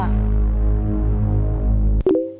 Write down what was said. bão gây thiệt hại